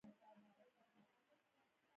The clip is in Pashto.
لمبه له باده سره مله په لوړ سرعت سره پورته شول.